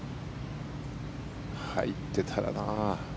入っていたらな。